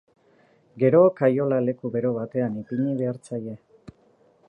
Gero kaiola leku bero batean ipini behar zaie.